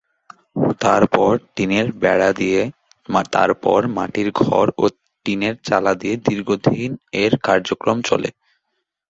তার পর টিনের বেড়া দিয়ে, তারপর মাটির ঘর ও টিনের চালা দিয়ে দীর্ঘদিন এর কার্যক্রম চলে।